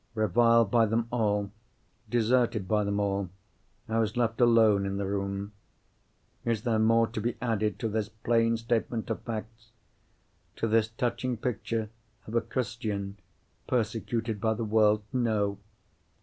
Reviled by them all, deserted by them all, I was left alone in the room. Is there more to be added to this plain statement of facts—to this touching picture of a Christian persecuted by the world? No!